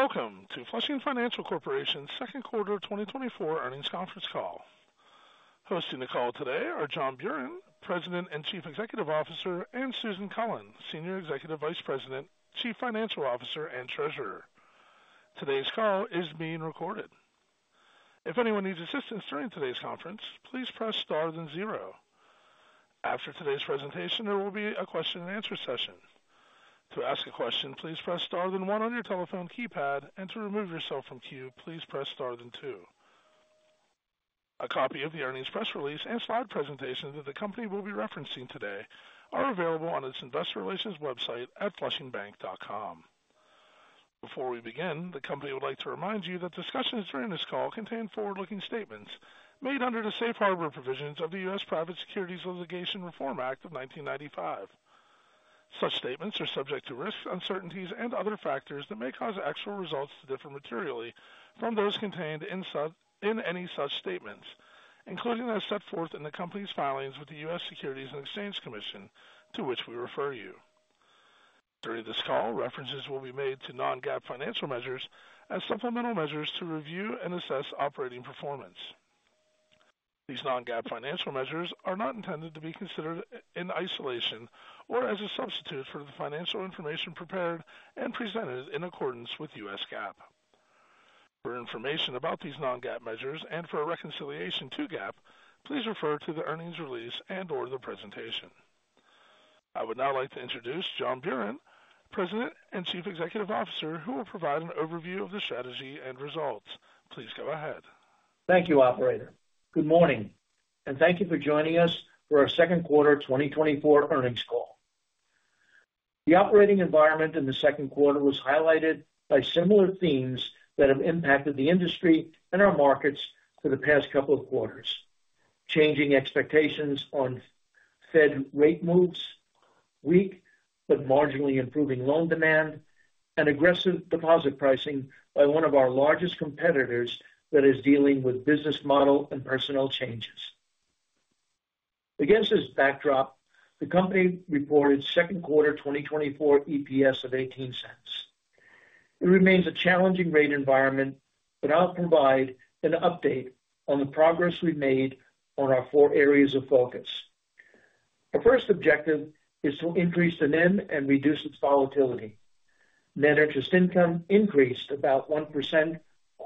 Welcome to Flushing Financial Corporation's second quarter 2024 earnings conference call. Hosting the call today are John Buran, President and Chief Executive Officer, and Susan Cullen, Senior Executive Vice President, Chief Financial Officer, and Treasurer. Today's call is being recorded. If anyone needs assistance during today's conference, please press star then zero. After today's presentation, there will be a question-and-answer session. To ask a question, please press star then one on your telephone keypad, and to remove yourself from queue, please press star then two. A copy of the earnings press release and slide presentation that the company will be referencing today are available on its investor relations website at flushingbank.com. Before we begin, the company would like to remind you that discussions during this call contain forward-looking statements made under the safe harbor provisions of the U.S. Private Securities Litigation Reform Act of 1995. Such statements are subject to risks, uncertainties, and other factors that may cause actual results to differ materially from those contained in any such statements, including as set forth in the company's filings with the U.S. Securities and Exchange Commission, to which we refer you. During this call, references will be made to non-GAAP financial measures as supplemental measures to review and assess operating performance. These non-GAAP financial measures are not intended to be considered in isolation or as a substitute for the financial information prepared and presented in accordance with U.S. GAAP. For information about these non-GAAP measures and for a reconciliation to GAAP, please refer to the earnings release and/or the presentation. I would now like to introduce John Buran, President and Chief Executive Officer, who will provide an overview of the strategy and results. Please go ahead. Thank you, Operator. Good morning, and thank you for joining us for our second quarter 2024 earnings call. The operating environment in the second quarter was highlighted by similar themes that have impacted the industry and our markets for the past couple of quarters: changing expectations on Fed rate moves, weak but marginally improving loan demand, and aggressive deposit pricing by one of our largest competitors that is dealing with business model and personnel changes. Against this backdrop, the company reported second quarter 2024 EPS of $0.18. It remains a challenging rate environment, but I'll provide an update on the progress we've made on our four areas of focus. Our first objective is to increase the NIM and reduce its volatility. Net interest income increased about 1%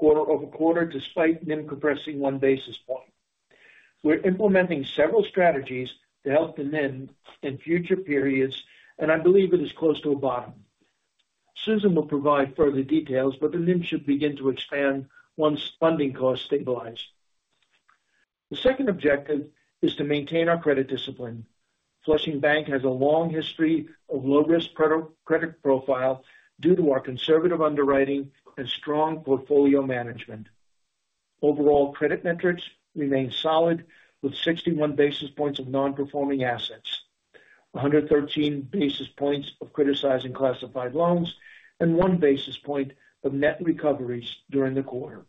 quarter-over-quarter despite NIM compressing one basis point. We're implementing several strategies to help the NIM in future periods, and I believe it is close to a bottom. Susan will provide further details, but the NIM should begin to expand once funding costs stabilize. The second objective is to maintain our credit discipline. Flushing Bank has a long history of low-risk credit profile due to our conservative underwriting and strong portfolio management. Overall, credit metrics remain solid, with 61 basis points of non-performing assets, 113 basis points of criticized classified loans, and 1 basis point of net recoveries during the quarter.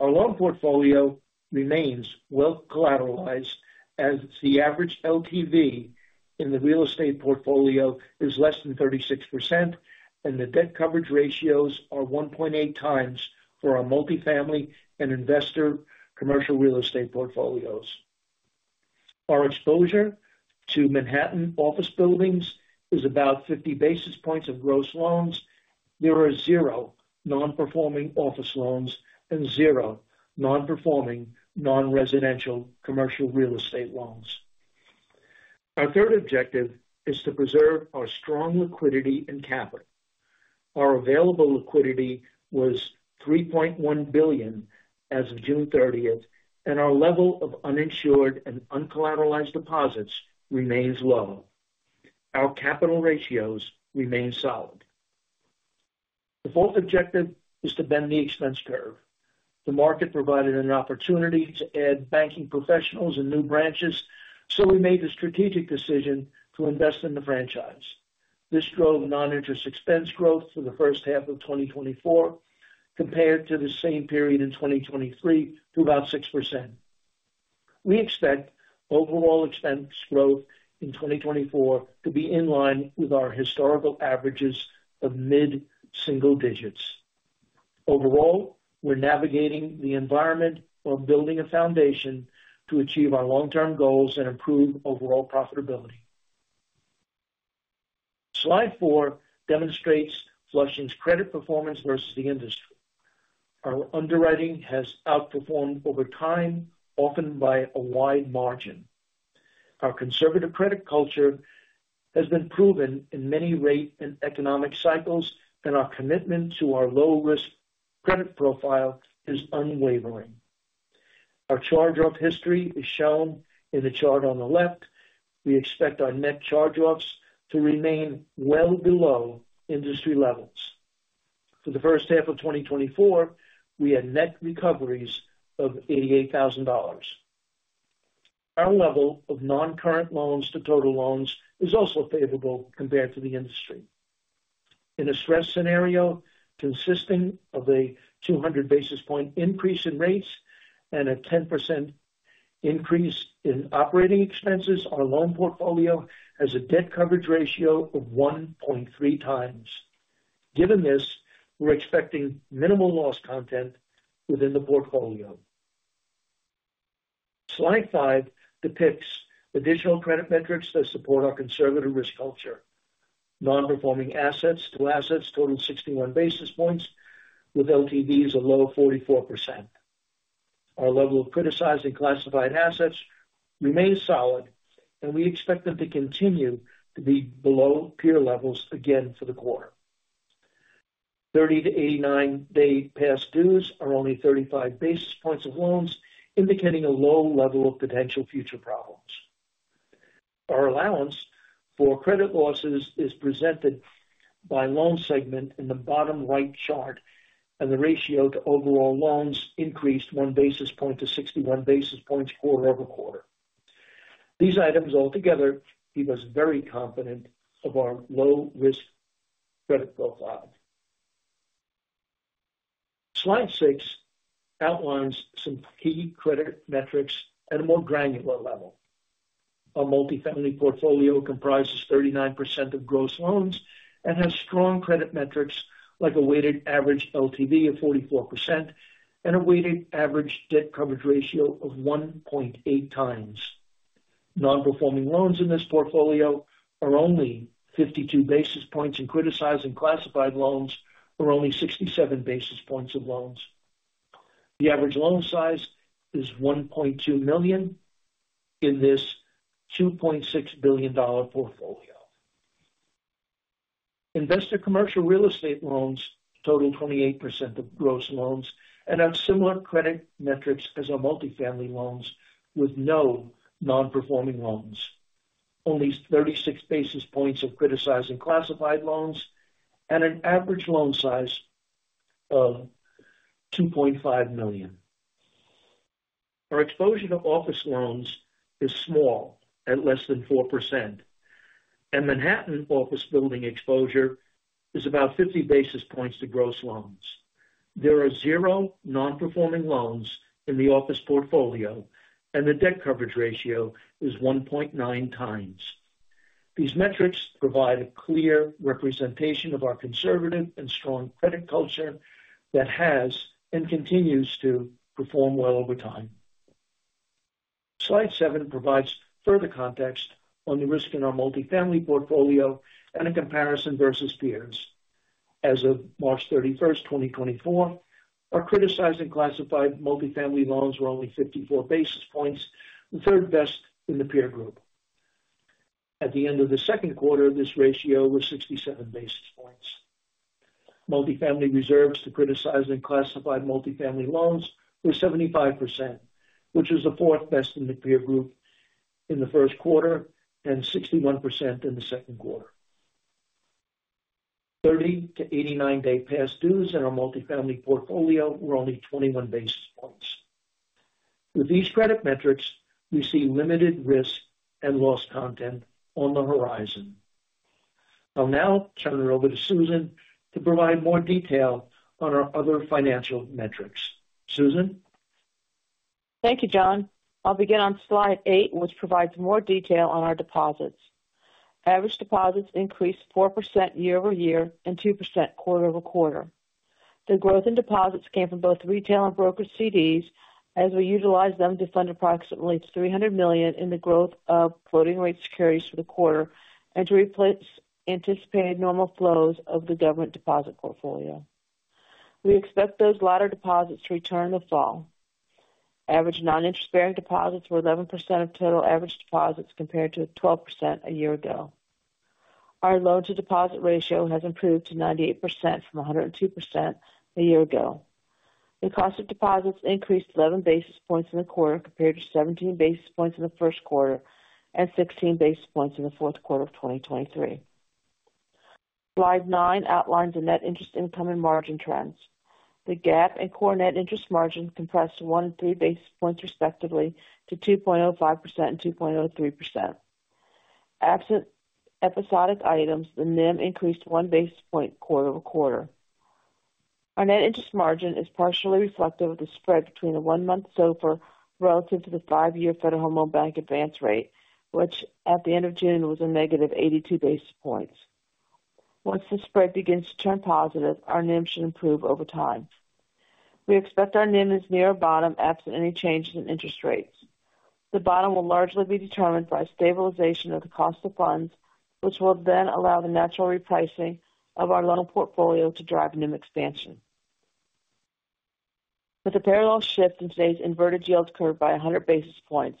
Our loan portfolio remains well collateralized, as the average LTV in the real estate portfolio is less than 36%, and the debt coverage ratios are 1.8 times for our multifamily and investor commercial real estate portfolios. Our exposure to Manhattan office buildings is about 50 basis points of gross loans. There are zero non-performing office loans and zero non-performing non-residential commercial real estate loans. Our 3rd objective is to preserve our strong liquidity and capital. Our available liquidity was $3.1 billion as of June 30, and our level of uninsured and uncollateralized deposits remains low. Our capital ratios remain solid. The fourth objective is to bend the expense curve. The market provided an opportunity to add banking professionals and new branches, so we made the strategic decision to invest in the franchise. This drove non-interest expense growth for the first half of 2024 compared to the same period in 2023 to about 6%. We expect overall expense growth in 2024 to be in line with our historical averages of mid-single digits. Overall, we're navigating the environment while building a foundation to achieve our long-term goals and improve overall profitability. Slide 4 demonstrates Flushing's credit performance versus the industry. Our underwriting has outperformed over time, often by a wide margin. Our conservative credit culture has been proven in many rate and economic cycles, and our commitment to our low-risk credit profile is unwavering. Our charge-off history is shown in the chart on the left. We expect our net charge-offs to remain well below industry levels. For the first half of 2024, we had net recoveries of $88,000. Our level of non-current loans to total loans is also favorable compared to the industry. In a stress scenario consisting of a 200 basis point increase in rates and a 10% increase in operating expenses, our loan portfolio has a debt coverage ratio of 1.3 times. Given this, we're expecting minimal loss content within the portfolio. Slide 5 depicts additional credit metrics that support our conservative risk culture. Non-performing assets to assets total 61 basis points, with LTVs a low 44%. Our level of criticized classified assets remains solid, and we expect them to continue to be below peer levels again for the quarter. 30-89-day past dues are only 35 basis points of loans, indicating a low level of potential future problems. Our allowance for credit losses is presented by loan segment in the bottom right chart, and the ratio to overall loans increased 1 basis point to 61 basis points quarter-over-quarter. These items altogether give us confidence in our low-risk credit profile. Slide 6 outlines some key credit metrics at a more granular level. Our multifamily portfolio comprises 39% of gross loans and has strong credit metrics like a weighted average LTV of 44% and a weighted average debt coverage ratio of 1.8 times. Non-performing loans in this portfolio are only 52 basis points, and criticized classified loans are only 67 basis points of loans. The average loan size is $1.2 million in this $2.6 billion portfolio. Investor commercial real estate loans total 28% of gross loans and have similar credit metrics as our multifamily loans with no non-performing loans. Only 36 basis points of criticized classified loans and an average loan size of $2.5 million. Our exposure to office loans is small at less than 4%, and Manhattan office building exposure is about 50 basis points to gross loans. There are zero non-performing loans in the office portfolio, and the debt coverage ratio is 1.9 times. These metrics provide a clear representation of our conservative and strong credit culture that has and continues to perform well over time. Slide 7 provides further context on the risk in our multifamily portfolio and a comparison versus peers. As of March 31, 2024, our criticized classified multifamily loans were only 54 basis points, the third best in the peer group. At the end of the second quarter, this ratio was 67 basis points. Multifamily reserves to criticized classified multifamily loans were 75%, which was the fourth best in the peer group in the first quarter and 61% in the second quarter. 30- to 89-day past dues in our multifamily portfolio were only 21 basis points. With these credit metrics, we see limited risk and loss content on the horizon. I'll now turn it over to Susan to provide more detail on our other financial metrics. Susan. Thank you, John. I'll begin on slide 8, which provides more detail on our deposits. Average deposits increased 4% year-over-year and 2% quarter-over-quarter. The growth in deposits came from both retail and brokered CDs as we utilized them to fund approximately $300 million in the growth of floating rate securities for the quarter and to replace anticipated normal flows of the government deposit portfolio. We expect those latter deposits to return in the fall. Average non-interest-bearing deposits were 11% of total average deposits compared to 12% a year ago. Our loan-to-deposit ratio has improved to 98% from 102% a year ago. The cost of deposits increased 11 basis points in the quarter compared to 17 basis points in the first quarter and 16 basis points in the fourth quarter of 2023. Slide 9 outlines the net interest income and margin trends. The GAAP and core net interest margin compressed to 1 and 3 basis points respectively to 2.05% and 2.03%. Absent episodic items, the NIM increased 1 basis point quarter-over-quarter. Our net interest margin is partially reflective of the spread between the one-month SOFR relative to the five-year Federal Home Loan Bank Advance rate, which at the end of June was -82 basis points. Once the spread begins to turn positive, our NIM should improve over time. We expect our NIM is near a bottom absent any changes in interest rates. The bottom will largely be determined by stabilization of the cost of funds, which will then allow the natural repricing of our loan portfolio to drive NIM expansion. With a parallel shift in today's inverted yield curve by 100 basis points,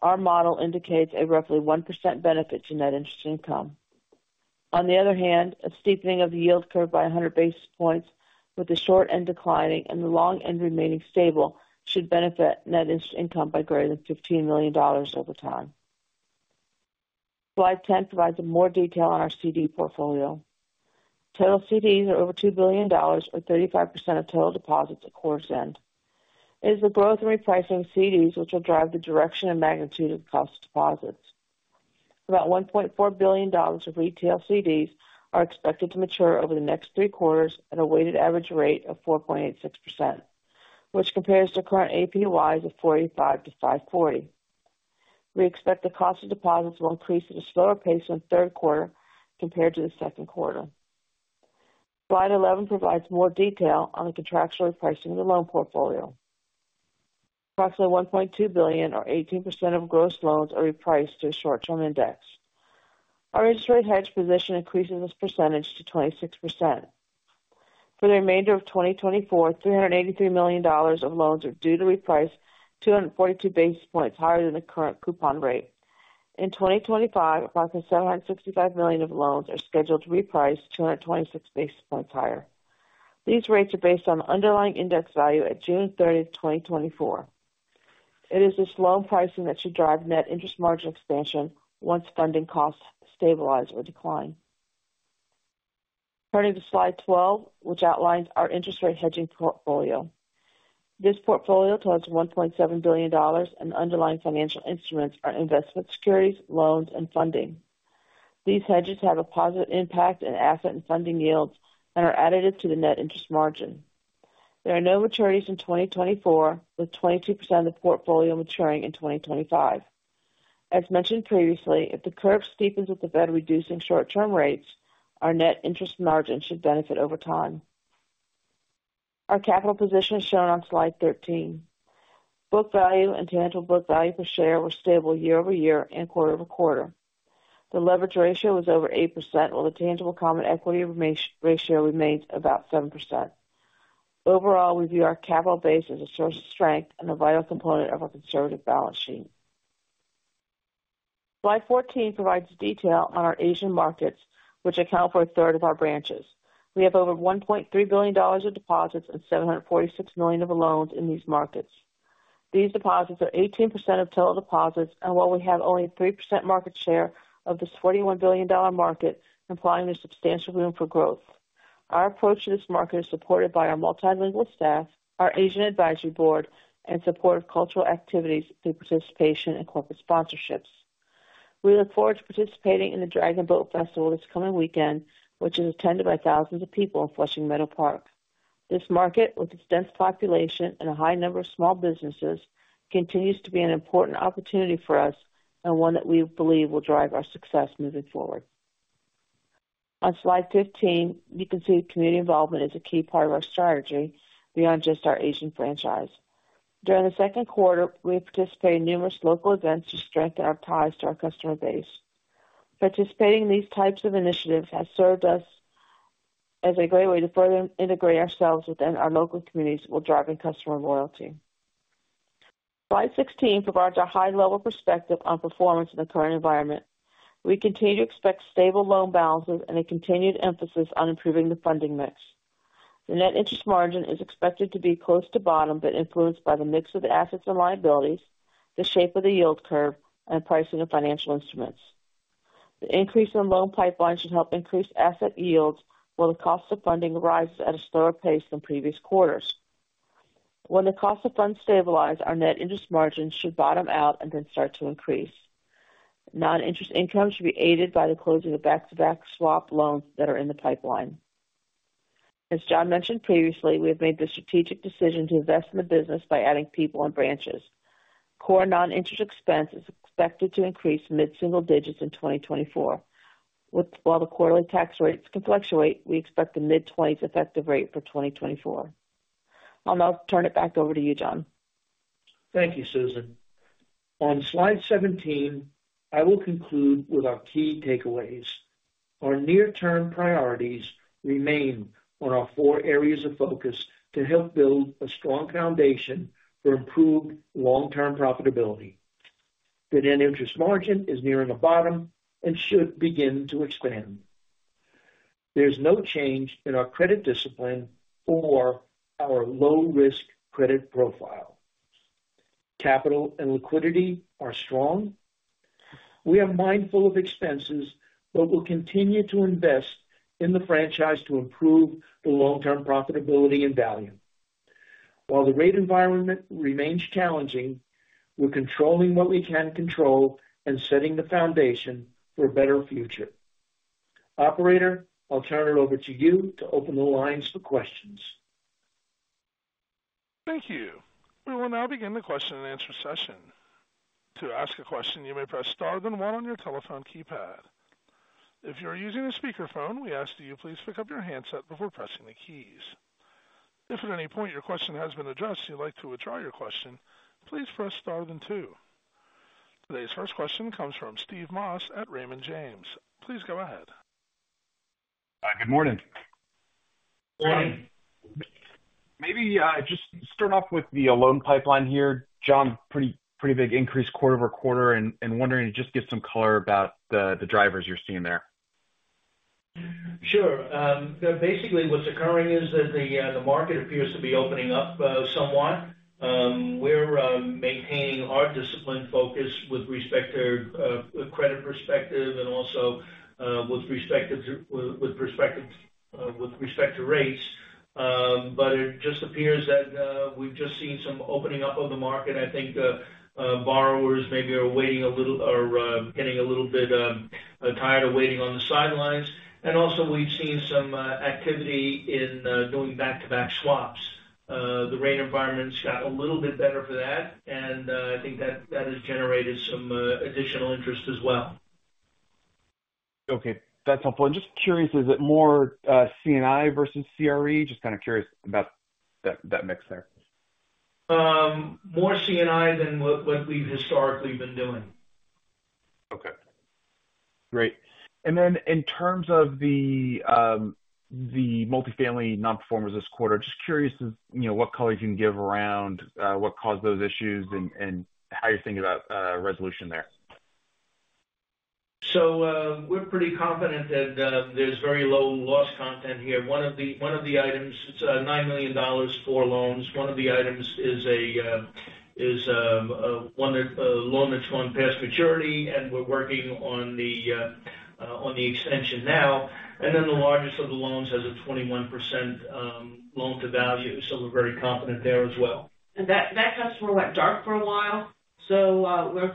our model indicates a roughly 1% benefit to net interest income. On the other hand, a steepening of the yield curve by 100 basis points, with the short end declining and the long end remaining stable, should benefit net interest income by greater than $15 million over time. Slide 10 provides more detail on our CD portfolio. Total CDs are over $2 billion, or 35% of total deposits at quarter's end. It is the growth and repricing of CDs which will drive the direction and magnitude of cost of deposits. About $1.4 billion of retail CDs are expected to mature over the next three quarters at a weighted average rate of 4.86%, which compares to current APYs of 4.50% to 5.40%. We expect the cost of deposits will increase at a slower pace in the third quarter compared to the second quarter. Slide 11 provides more detail on the contractual repricing of the loan portfolio. Approximately $1.2 billion, or 18% of gross loans, are repriced to a short-term index. Our interest rate hedge position increases this percentage to 26%. For the remainder of 2024, $383 million of loans are due to reprice, 242 basis points higher than the current coupon rate. In 2025, approximately $765 million of loans are scheduled to reprice, 226 basis points higher. These rates are based on the underlying index value at June 30, 2024. It is this loan pricing that should drive net interest margin expansion once funding costs stabilize or decline. Turning to slide 12, which outlines our interest rate hedging portfolio. This portfolio totals $1.7 billion, and underlying financial instruments are investment securities, loans, and funding. These hedges have a positive impact in asset and funding yields and are additive to the net interest margin. There are no maturities in 2024, with 22% of the portfolio maturing in 2025. As mentioned previously, if the curve steepens with the Fed reducing short-term rates, our net interest margin should benefit over time. Our capital position is shown on Slide 13. Book value and tangible book value per share were stable year-over-year and quarter-over-quarter. The leverage ratio was over 8%, while the tangible common equity ratio remains about 7%. Overall, we view our capital base as a source of strength and a vital component of our conservative balance sheet. Slide 14 provides detail on our Asian markets, which account for a third of our branches. We have over $1.3 billion of deposits and $746 million of loans in these markets. These deposits are 18% of total deposits, and while we have only a 3% market share of this $41 billion market, implying there's substantial room for growth. Our approach to this market is supported by our multilingual staff, our Asian Advisory Board, and support of cultural activities through participation and corporate sponsorships. We look forward to participating in the Dragon Boat Festival this coming weekend, which is attended by thousands of people in Flushing Meadow Park. This market, with its dense population and a high number of small businesses, continues to be an important opportunity for us and one that we believe will drive our success moving forward. On slide 15, you can see community involvement is a key part of our strategy beyond just our Asian franchise. During the second quarter, we have participated in numerous local events to strengthen our ties to our customer base. Participating in these types of initiatives has served us as a great way to further integrate ourselves within our local communities while driving customer loyalty. Slide 16 provides a high-level perspective on performance in the current environment. We continue to expect stable loan balances and a continued emphasis on improving the funding mix. The net interest margin is expected to be close to bottom but influenced by the mix of assets and liabilities, the shape of the yield curve, and pricing of financial instruments. The increase in loan pipeline should help increase asset yields while the cost of funding rises at a slower pace than previous quarters. When the cost of funds stabilize, our net interest margin should bottom out and then start to increase. Non-interest income should be aided by the closing of back-to-back swap loans that are in the pipeline. As John mentioned previously, we have made the strategic decision to invest in the business by adding people and branches. Core non-interest expense is expected to increase mid-single digits in 2024. While the quarterly tax rates can fluctuate, we expect the mid-20s effective rate for 2024. I'll now turn it back over to you, John. Thank you, Susan. On slide 17, I will conclude with our key takeaways. Our near-term priorities remain on our four areas of focus to help build a strong foundation for improved long-term profitability. The net interest margin is nearing a bottom and should begin to expand. There's no change in our credit discipline or our low-risk credit profile. Capital and liquidity are strong. We are mindful of expenses but will continue to invest in the franchise to improve the long-term profitability and value. While the rate environment remains challenging, we're controlling what we can control and setting the foundation for a better future. Operator, I'll turn it over to you to open the lines for questions. Thank you. We will now begin the question and answer session. To ask a question, you may press star then one on your telephone keypad. If you're using a speakerphone, we ask that you please pick up your handset before pressing the keys. If at any point your question has been addressed and you'd like to withdraw your question, please press star then two. Today's first question comes from Steve Moss at Raymond James. Please go ahead. Good morning. Good morning. Maybe just start off with the loan pipeline here. John, pretty big increase quarter-over-quarter. And wondering to just get some color about the drivers you're seeing there. Sure. Basically, what's occurring is that the market appears to be opening up somewhat. We're maintaining our discipline focus with respect to credit perspective and also with respect to rates. But it just appears that we've just seen some opening up of the market. I think borrowers maybe are waiting a little or getting a little bit tired of waiting on the sidelines. And also, we've seen some activity in doing back-to-back swaps. The rate environment's got a little bit better for that, and I think that has generated some additional interest as well. Okay. That's helpful. And just curious, is it more C&I versus CRE? Just kind of curious about that mix there. More C&I than what we've historically been doing. Okay. Great. And then in terms of the multifamily non-performers this quarter, just curious what color you can give around what caused those issues and how you're thinking about resolution there. We're pretty confident that there's very low loss content here. One of the items is $9 million for loans. One of the items is a loan that's gone past maturity, and we're working on the extension now. Then the largest of the loans has a 21% loan-to-value, so we're very confident there as well. That customer went dark for a while, so we're,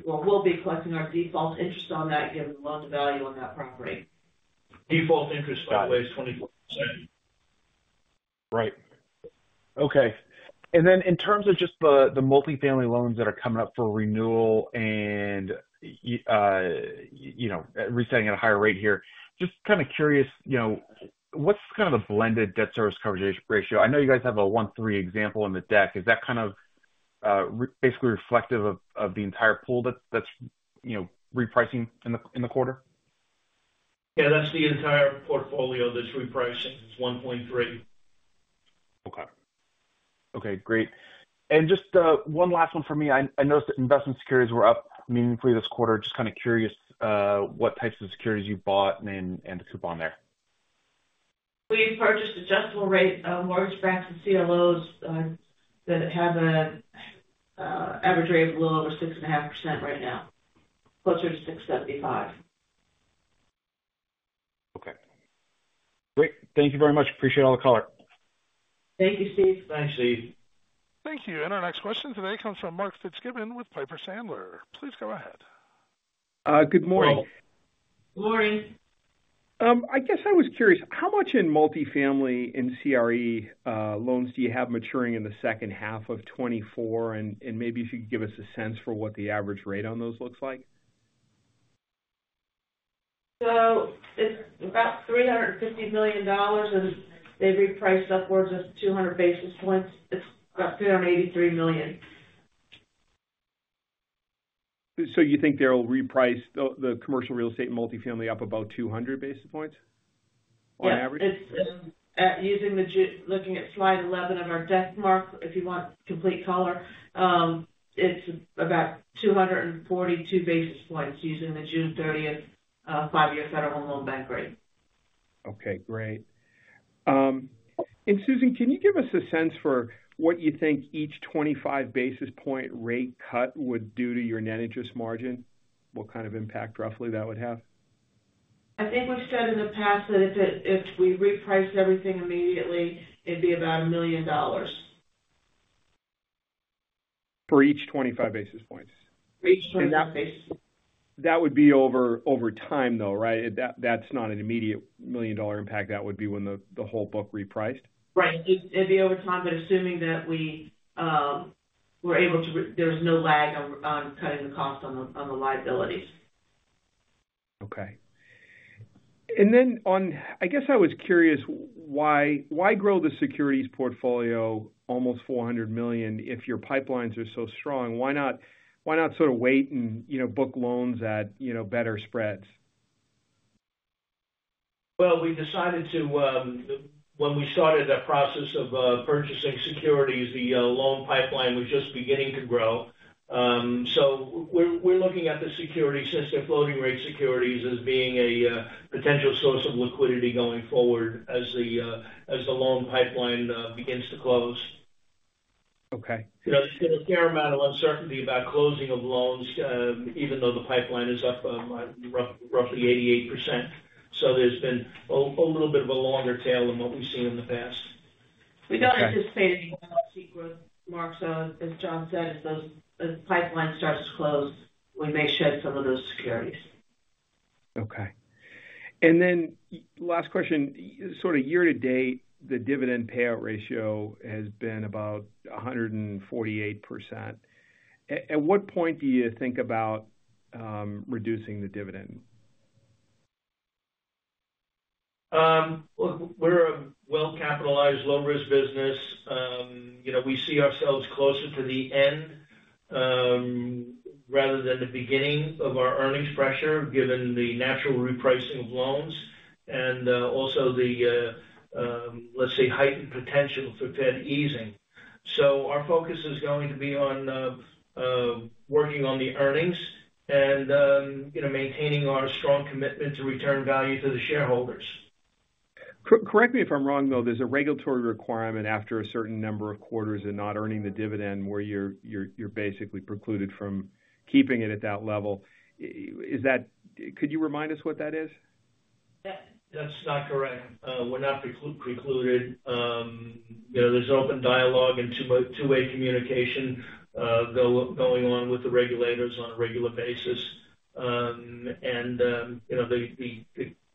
well, we'll be collecting our default interest on that, given the loan-to-value on that property. Default interest, by the way, is 24%. Right. Okay. And then in terms of just the multifamily loans that are coming up for renewal and resetting at a higher rate here, just kind of curious, what's kind of the blended debt service coverage ratio? I know you guys have a 1.3 example in the deck. Is that kind of basically reflective of the entire pool that's repricing in the quarter? Yeah, that's the entire portfolio that's repricing. It's $1.3. Okay. Okay. Great. And just one last one for me. I noticed that investment securities were up meaningfully this quarter. Just kind of curious what types of securities you bought and the coupon there. We've purchased adjustable-rate mortgage-backed CLOs that have an average rate of a little over 6.5% right now, closer to 6.75%. Okay. Great. Thank you very much. Appreciate all the color. Thank you, Steve. Thanks, Steve. Thank you. Our next question today comes from Mark Fitzgibbon with Piper Sandler. Please go ahead. Good morning. Morning. I guess I was curious, how much in multifamily and CRE loans do you have maturing in the second half of 2024? And maybe if you could give us a sense for what the average rate on those looks like? So it's about $350 million, and they've repriced upwards of 200 basis points. It's about $383 million. You think they'll reprice the commercial real estate and multifamily up about 200 basis points on average? Yeah. Looking at slide 11 of our deck, if you want complete color, it's about 242 basis points using the June 30th five-year Federal Home Loan Bank rate. Okay. Great. And Susan, can you give us a sense for what you think each 25-basis-point rate cut would do to your net interest margin? What kind of impact roughly that would have? I think we've said in the past that if we repriced everything immediately, it'd be about $1 million. For each 25 basis points? For each 25 basis points. That would be over time, though, right? That's not an immediate million-dollar impact. That would be when the whole book repriced? Right. It'd be over time, but assuming that we were able to, there was no lag on cutting the cost on the liabilities. Okay. And then on, I guess I was curious, why grow the securities portfolio almost $400 million if your pipelines are so strong? Why not sort of wait and book loans at better spreads? Well, we decided to, when we started the process of purchasing securities, the loan pipeline was just beginning to grow. So we're looking at the securities since they're floating-rate securities as being a potential source of liquidity going forward as the loan pipeline begins to close. Okay. There's been a fair amount of uncertainty about closing of loans, even though the pipeline is up roughly 88%. So there's been a little bit of a longer tail than what we've seen in the past. We don't anticipate any more of that seed growth, Mark. So as John said, if the pipeline starts to close, we may shed some of those securities. Okay. And then last question, sort of year to date, the dividend payout ratio has been about 148%. At what point do you think about reducing the dividend? Look, we're a well-capitalized, low-risk business. We see ourselves closer to the end rather than the beginning of our earnings pressure, given the natural repricing of loans and also the, let's say, heightened potential for Fed easing. So our focus is going to be on working on the earnings and maintaining our strong commitment to return value to the shareholders. Correct me if I'm wrong, though. There's a regulatory requirement after a certain number of quarters of not earning the dividend where you're basically precluded from keeping it at that level. Could you remind us what that is? That's not correct. We're not precluded. There's open dialogue and two-way communication going on with the regulators on a regular basis. And the criteria,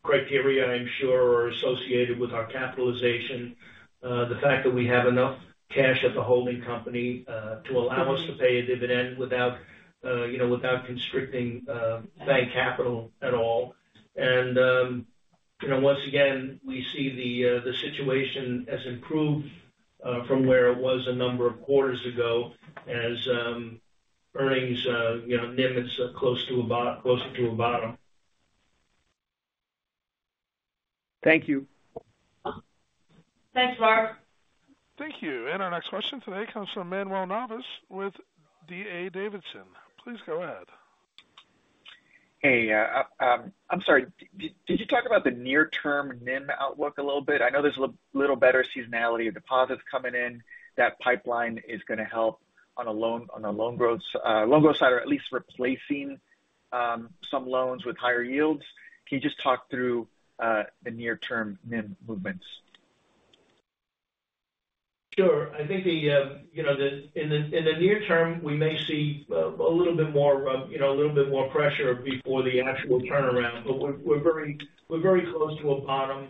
I'm sure, are associated with our capitalization, the fact that we have enough cash at the holding company to allow us to pay a dividend without constricting bank capital at all. And once again, we see the situation has improved from where it was a number of quarters ago as earnings, NIM is close to a bottom. Thank you. Thanks, Mark. Thank you. Our next question today comes from Manuel Navas with D.A. Davidson. Please go ahead. Hey. I'm sorry. Did you talk about the near-term NIM outlook a little bit? I know there's a little better seasonality of deposits coming in. That pipeline is going to help on a loan growth side or at least replacing some loans with higher yields. Can you just talk through the near-term NIM movements? Sure. I think in the near term, we may see a little bit more a little bit more pressure before the actual turnaround. But we're very close to a bottom.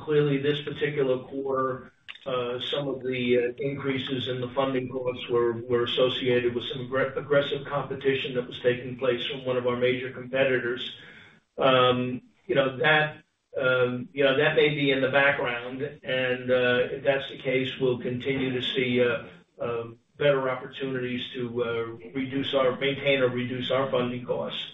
Clearly, this particular quarter, some of the increases in the funding costs were associated with some aggressive competition that was taking place from one of our major competitors. That may be in the background. And if that's the case, we'll continue to see better opportunities to maintain or reduce our funding costs.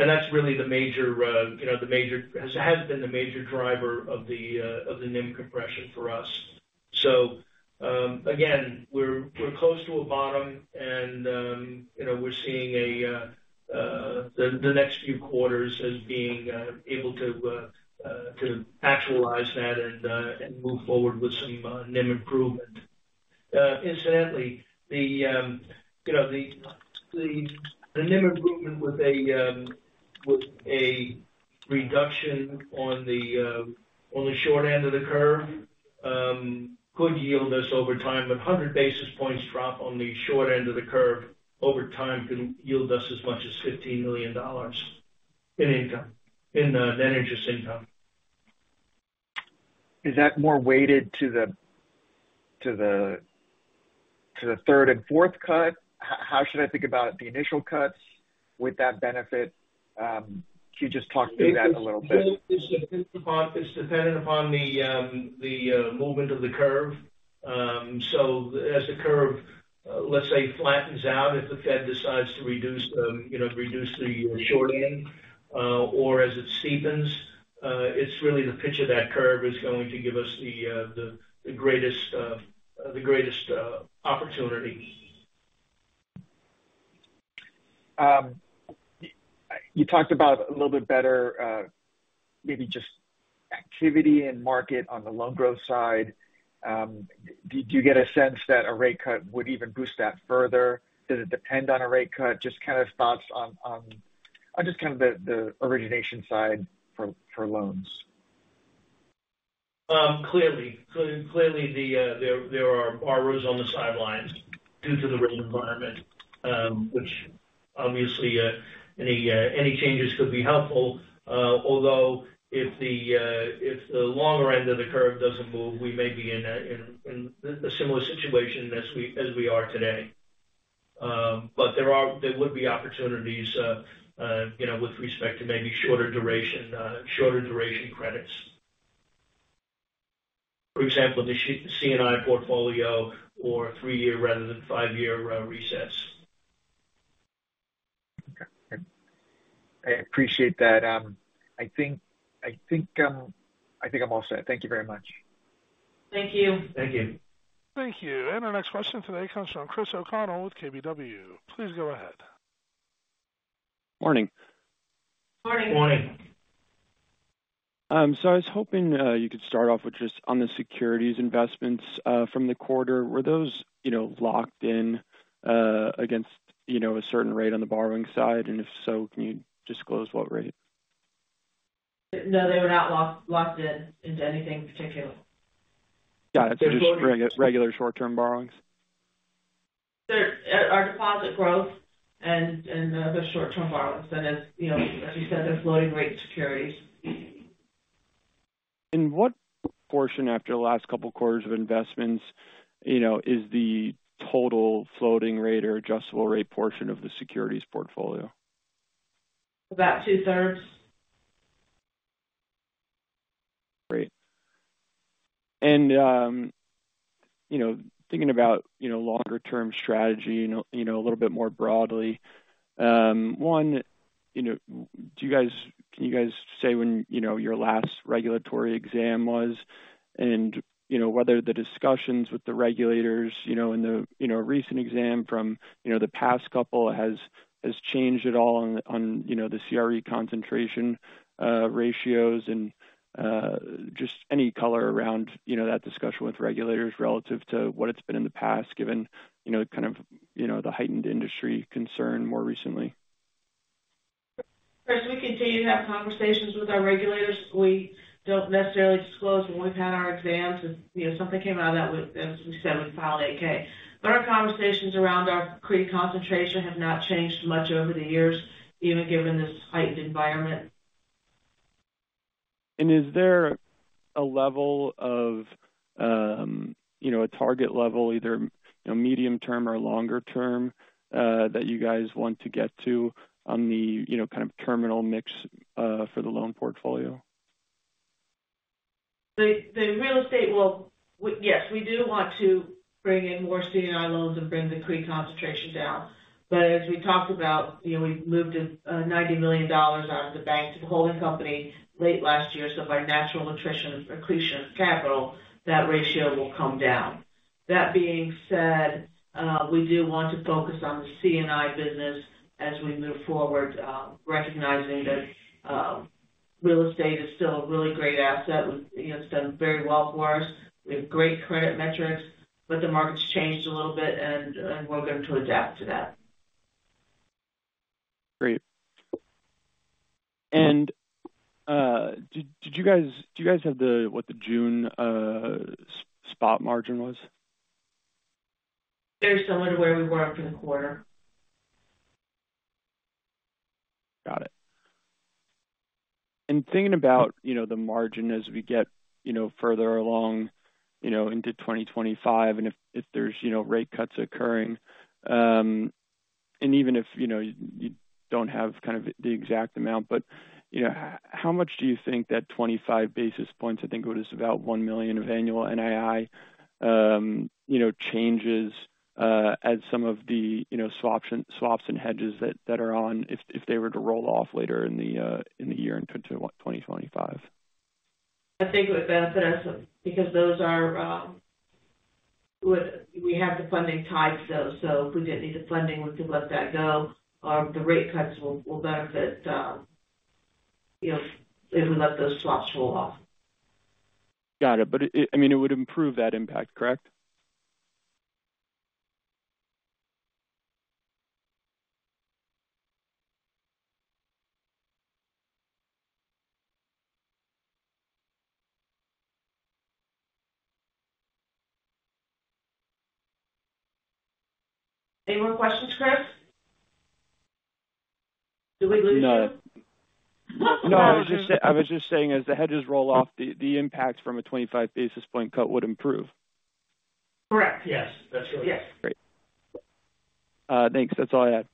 And that's really the major has been the major driver of the NIM compression for us. So again, we're close to a bottom, and we're seeing the next few quarters as being able to actualize that and move forward with some NIM improvement. Incidentally, the NIM improvement with a reduction on the short end of the curve could yield us over time. But 100 basis points drop on the short end of the curve over time could yield us as much as $15 million in net interest income. Is that more weighted to the third and fourth cut? How should I think about the initial cuts with that benefit? Can you just talk through that a little bit? It's dependent upon the movement of the curve. So as the curve, let's say, flattens out, if the Fed decides to reduce the short end or as it steepens, it's really the pitch of that curve is going to give us the greatest opportunity. You talked about a little bit better maybe just activity and market on the loan growth side. Do you get a sense that a rate cut would even boost that further? Does it depend on a rate cut? Just kind of thoughts on just kind of the origination side for loans. Clearly. Clearly, there are borrowers on the sidelines due to the rate environment, which obviously any changes could be helpful. Although if the longer end of the curve doesn't move, we may be in a similar situation as we are today. But there would be opportunities with respect to maybe shorter duration credits. For example, the C&I portfolio or 3-year rather than 5-year resets. Okay. I appreciate that. I think I'm all set. Thank you very much. Thank you. Thank you. Thank you. And our next question today comes from Chris O'Connell with KBW. Please go ahead. Morning. Morning. Morning. I was hoping you could start off with just on the securities investments from the quarter. Were those locked in against a certain rate on the borrowing side? If so, can you disclose what rate? No, they were not locked into anything particular. Got it. So just regular short-term borrowings? Our deposit growth and the short-term borrowings. As you said, they're floating-rate securities. What portion after the last couple of quarters of investments is the total floating rate or adjustable rate portion of the securities portfolio? About two-thirds. Great. Thinking about longer-term strategy a little bit more broadly, one, can you guys say when your last regulatory exam was and whether the discussions with the regulators and the recent exam from the past couple has changed at all on the CRE concentration ratios and just any color around that discussion with regulators relative to what it's been in the past, given kind of the heightened industry concern more recently? Chris, we continue to have conversations with our regulators. We don't necessarily disclose when we've had our exams. If something came out of that, as we said, we'd file 8-K. But our conversations around our CRE concentration have not changed much over the years, even given this heightened environment. Is there a level of a target level, either medium-term or longer-term, that you guys want to get to on the kind of terminal mix for the loan portfolio? The real estate, well, yes, we do want to bring in more C&I loans and bring the CRE concentration down. But as we talked about, we've moved $90 million out of the bank to the holding company late last year. So by natural accretion of capital, that ratio will come down. That being said, we do want to focus on the C&I business as we move forward, recognizing that real estate is still a really great asset. It's done very well for us. We have great credit metrics, but the market's changed a little bit, and we're going to adapt to that. Great. Did you guys have the—what the June spot margin was? Very similar to where we were for the quarter. Got it. Thinking about the margin as we get further along into 2025 and if there's rate cuts occurring, and even if you don't have kind of the exact amount, but how much do you think that 25 basis points, I think it was about $1 million of annual NII changes as some of the swaps and hedges that are on, if they were to roll off later in the year into 2025? I think it would benefit us because those are, we have the funding tied to those. So if we didn't need the funding, we could let that go. The rate cuts will benefit if we let those swaps roll off. Got it. But I mean, it would improve that impact, correct? Any more questions, Chris? Did we lose you? No. No, I was just saying as the hedges roll off, the impact from a 25 basis points cut would improve. Correct. Yes. That's right. Yes. Great. Thanks. That's all I had.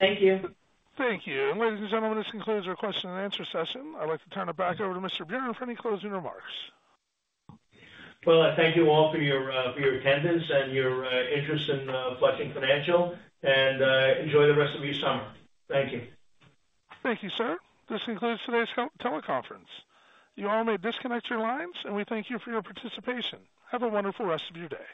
Thank you. Thank you. Ladies and gentlemen, this concludes our question and answer session. I'd like to turn it back over to Mr. Buran for any closing remarks. Well, I thank you all for your attendance and your interest in Flushing Financial. Enjoy the rest of your summer. Thank you. Thank you, sir. This concludes today's teleconference. You all may disconnect your lines, and we thank you for your participation. Have a wonderful rest of your day.